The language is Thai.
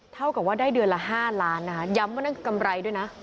เท่ากับว่าได้เดือนละ๕ล้านนะคะย้ำว่านั่นกำไรด้วยนะ